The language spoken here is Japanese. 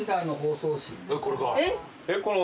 これが？